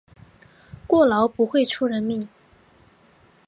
过劳不会出人命